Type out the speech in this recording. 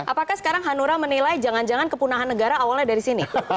apakah sekarang hanura menilai jangan jangan kepunahan negara awalnya dari sini